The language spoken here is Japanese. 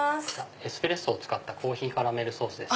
エスプレッソを使ったコーヒーカラメルソースです。